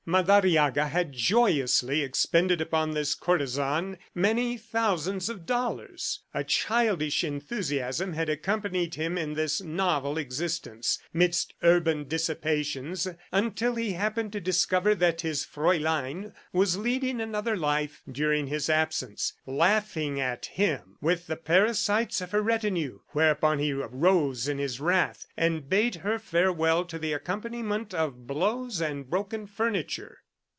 Madariaga had joyously expended upon this courtesan many thousands of dollars. A childish enthusiasm had accompanied him in this novel existence midst urban dissipations until he happened to discover that his Fraulein was leading another life during his absence, laughing at him with the parasites of her retinue; whereupon he arose in his wrath and bade her farewell to the accompaniment of blows and broken furniture.